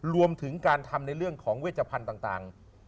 รวมถึงการทำในเรื่องของเวชพันธุ์ต่าง